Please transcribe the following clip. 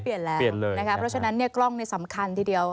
เพราะฉะนั้นเกล้องสำคัญทีเดียว